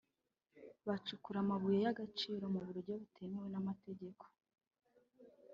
bagacukura amabuye y’agaciro mu buryo butemewe n’amategeko